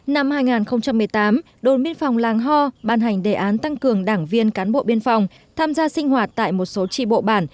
năm hai nghìn một mươi tám đồn biên phòng làng ho ban hành đề án tăng cường đảng viên cán bộ biên phòng tham gia sinh hoạt tại một số trị bộ bản